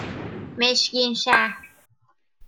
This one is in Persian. مشگینشهر